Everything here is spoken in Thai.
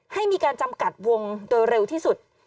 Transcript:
ให้มีการจำกัดวงโดยเร็วที่สุด